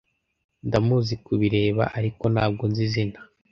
Ndamuzi kubireba, ariko ntabwo nzi izina.